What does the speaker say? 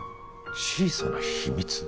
小さな秘密？